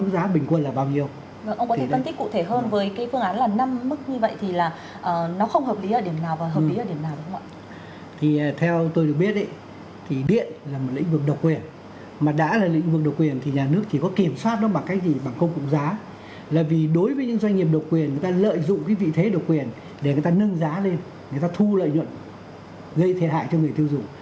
gây thiệt hại cho người tiêu dụng